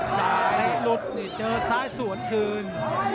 ซ้ายหลุดนี่เจอซ้ายสวนคืน